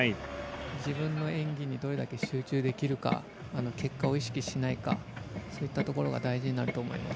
自分の演技にどれだけ集中できるか結果を意識しないかそういったところが大事になると思います。